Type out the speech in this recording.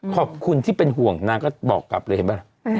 ขอบคุณที่เป็นห่วงนางก็บอกกลับเลยเห็นป่ะ